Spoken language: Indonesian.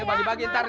iya bagi bagi ntar ya